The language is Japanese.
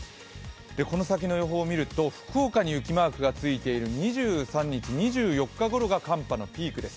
この先の予報を見ると福岡に雪マークがついている２３日、２４日ごろが寒波のピークです。